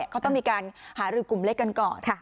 เขาต้องมีการหารือกลุ่มเล็กกันก่อน